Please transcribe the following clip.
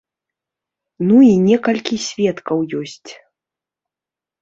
Ну і некалькі сведкаў ёсць.